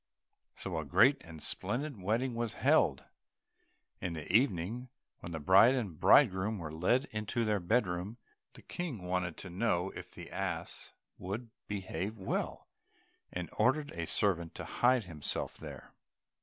So a great and splendid wedding was held. In the evening, when the bride and bridegroom were led into their bed room, the King wanted to know if the ass would behave well, and ordered a servant to hide himself there.